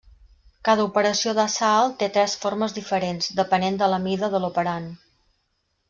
Cada operació de salt té tres formes diferents, depenent de la mida de l'operand.